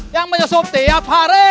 yang menyusup tiap hari